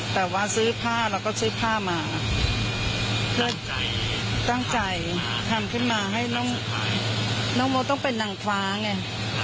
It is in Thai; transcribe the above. แต่ว่าซื้อผ้านะเพื่อตั้งใจทำขึ้นมาให้น้องโมเป็นนางฟ้าไง